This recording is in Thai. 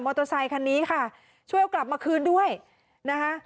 เตอร์ไซคันนี้ค่ะช่วยเอากลับมาคืนด้วยนะคะ